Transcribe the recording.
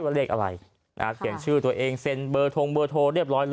เลขอะไรนะฮะเขียนชื่อตัวเองเซ็นเบอร์ทงเบอร์โทรเรียบร้อยเลย